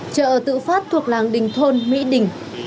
chợ tự phát thuộc làng đình thôn mỹ đình